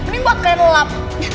ini buat kayak lelap